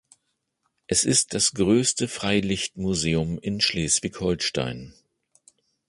Es ist das größte Freilichtmuseum in Schleswig-Holstein.